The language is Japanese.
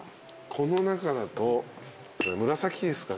この中だと紫ですかね。